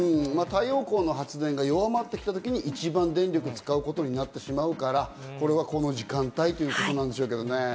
太陽光の発電が弱まってきたときに一番電力を使うことになるから、この時間帯っていうことなんですよね。